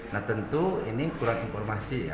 nah tentu ini kurang informasi ya